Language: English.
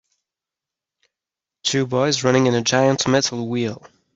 Two boys running in a giant metal wheel.